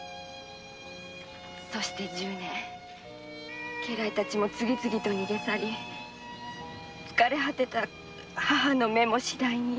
そして十年家来たちは次々に逃げ去り疲れはてた母の目もしだいに。